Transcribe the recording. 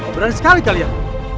berani sekali kalian